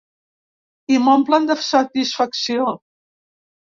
I m’omplen de satisfacció.